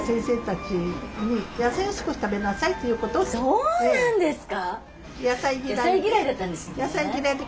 そうなんですか？